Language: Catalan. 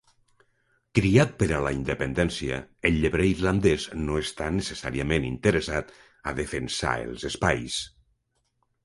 Criat per a la independència, el llebrer irlandès no està necessàriament interessat a defensar els espais.